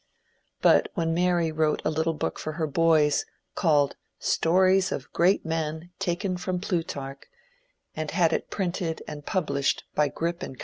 But when Mary wrote a little book for her boys, called "Stories of Great Men, taken from Plutarch," and had it printed and published by Gripp & Co.